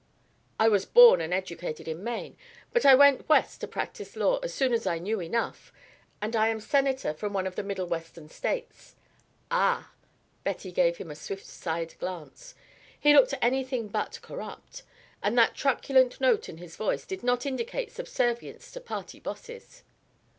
'" "I was born and educated in Maine, but I went west to practise law as soon as I knew enough, and I am Senator from one of the Middle Western States." "Ah!" Betty gave him a swift side glance. He looked anything but "corrupt," and that truculent note in his voice did not indicate subservience to party bosses.